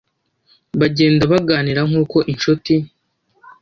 bagenda baganira nkuko inshuti